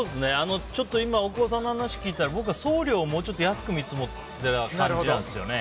ちょっと今大久保さんの話を聞いたら僕は送料、もうちょっと安く見積もった感じなんですよね。